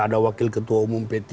ada wakil ketua umum p tiga